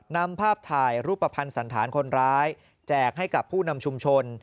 นำภาพถ่ายรูปภัณฑ์สันธารคนร้ายแจกให้กับผู้นำชุมชน